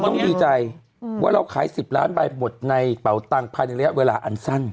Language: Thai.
ต้องดีใจว่าเราขาย๑๐ล้านใบบดในเป่าตังค์ภายในระยะเวลาอันสั้น